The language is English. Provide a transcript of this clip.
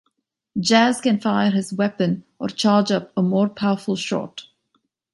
Jazz can fire his weapon, or charge up a more powerful shot.